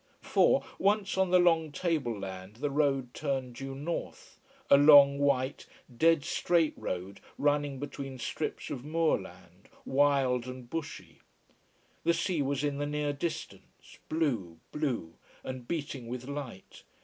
For, once on the long table land the road turned due north, a long white dead straight road running between strips of moorland, wild and bushy. The sea was in the near distance, blue, blue, and beating with light.